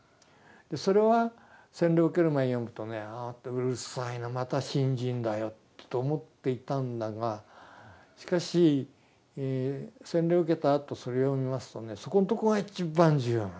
それは洗礼を受ける前に読むとねああうるさいなまた信心だよと思っていたんだがしかし洗礼を受けたあとそれ読みますとねそこんとこが一番重要なんです。